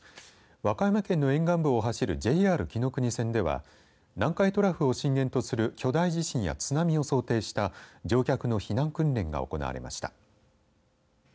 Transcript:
和歌山県の沿岸部を走るＪＲきのくに線では南海トラフを震源とする巨大地震や津波を想定した乗客の避難訓練が行われました。